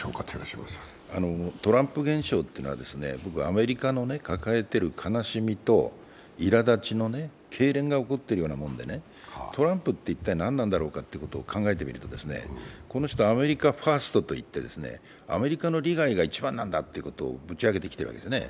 トランプ現象ってのは、アメリカの抱えている悲しみといらだちのけいれんが起こっているようなもんでトランプって一体何なんだろうかということを考えてみると、この人はアメリカ・ファーストと言って、アメリカの利害が一番なんだということをうち上げてきているわけですね。